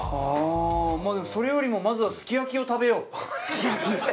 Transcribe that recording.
それよりもまずはすき焼きを食べよう。